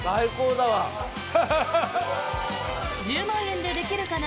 「１０万円でできるかな」